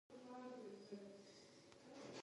که میندې وړاندیز وکړي نو پلان به نه وي ناقص.